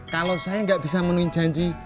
kalau saya nggak bisa menuhi janji